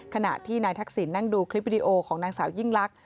ขณะที่นายทักษิณนั่งดูคลิปวิดีโอของนางสาวยิ่งลักษ